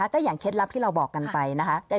ก็อย่างเคล็ดลับที่เราบอกกันไปนะคะ